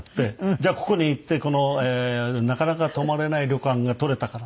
「じゃあここに行ってなかなか泊まれない旅館が取れたから」